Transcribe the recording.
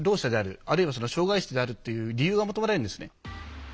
あるいは障害者であるっていう理由が求められるんですね。